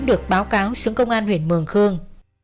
được báo cáo xuống công an huyện mường khương